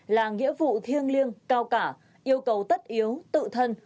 là nghĩa vụ thiêng liêng cao cả yêu cầu tất yếu tự thân